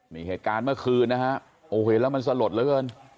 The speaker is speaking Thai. มีเหตุการณ์เมื่อคืนนะฮะโอ้โหแล้วมันสะหรดแล้วกัน